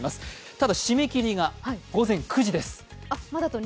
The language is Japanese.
ただ、締め切りが午前９時です。